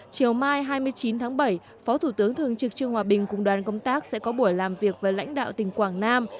chiều mai hai mươi chín tháng bảy phó thủ tướng thường trực trương hòa bình cùng đoàn công tác sẽ có buổi làm việc với lãnh đạo tỉnh quảng nam